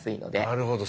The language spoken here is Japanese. なるほど。